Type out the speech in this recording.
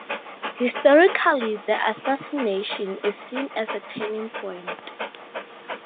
Historically, the assassination is seen as a turning point.